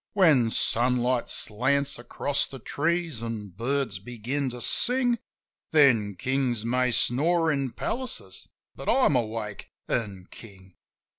When sunlight slants across the trees, an' birds begin to sing. Then kings may snore in palaces, but I'm awake — and king.